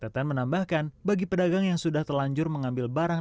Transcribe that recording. tetan menambahkan bagi pedagang yang sudah telanjur mengambil barang